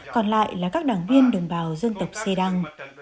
còn lại là các đảng viên đồng bào dân tộc xê đăng